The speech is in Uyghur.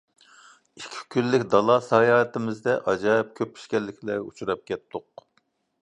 ئىككى كۈنلۈك دالا ساياھىتىمىزدە ئاجايىپ كۆپ پېشكەللىكلەرگە ئۇچراپ كەتتۇق.